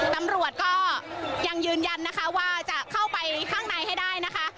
ตำรวจก็ยังยืนยันนะคะว่าจะเข้าไปข้างในให้ได้นะคะ